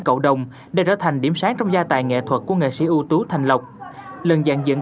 cậu đồng đã trở thành điểm sáng trong gia tài nghệ thuật của nghệ sĩ ưu tú thành lộc lần dạng diễn